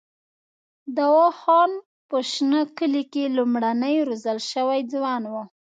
دوا خان په شنه کلي کې لومړنی روزل شوی ځوان وو.